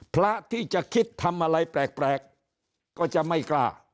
พระที่จะคิดทำอะไรแปลกก็จะไม่กล้า